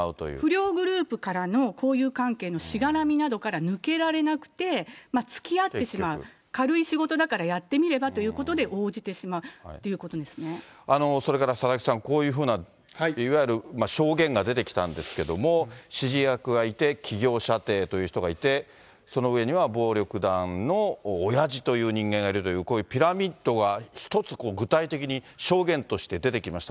不良グループからの交友関係のしがらみなどから抜けられなくて、つきあってしまう、軽い仕事だからやってみればということで応じてしまうということそれから佐々木さん、こういうふうな、いわゆる証言が出てきたんですけども、指示役がいて、企業舎弟という人がいて、その上には暴力団の親父という人間がいるという、こういうピラミッドが一つ、具体的に証言として出てきました。